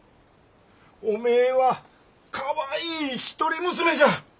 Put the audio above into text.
おめえはかわいい一人娘じゃ。